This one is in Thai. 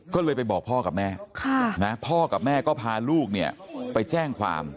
ก็เลยไปบอกพ่อกับแม่พ่อกับแม่ก็พาลูกเนี่ยไปแจ้งความ